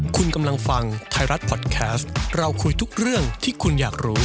คุณกำลังฟังไทยรัฐพอดแคสต์เราคุยทุกเรื่องที่คุณอยากรู้